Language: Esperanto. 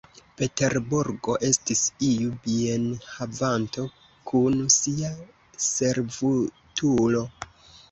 Peterburgo estis iu bienhavanto kun sia servutulo.